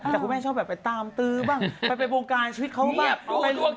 แต่คุณแม่ชอบแบบไปตามตื้อบ้างไปวงการชีวิตเขาบ้าง